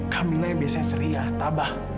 kamilah yang biasa ceria tabah